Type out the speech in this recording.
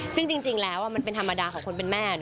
ซึ่งจริงแล้วมันเป็นธรรมดาของคนเป็นแม่